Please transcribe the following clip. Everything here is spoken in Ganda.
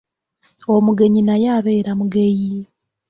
Omugenyi naye abeera mugeyi.